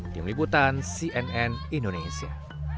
tim liputan cnn indonesia